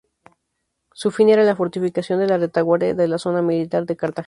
Su fin era la fortificación de la retaguardia de la zona militar de Cartagena.